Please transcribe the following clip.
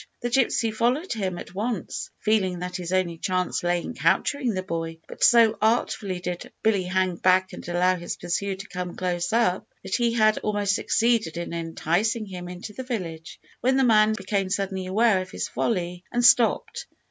The gypsy followed him at once, feeling that his only chance lay in capturing the boy; but so artfully did Billy hang back and allow his pursuer to come close up, that he had almost succeeded in enticing him into the village, when the man became suddenly aware of his folly, and stopped.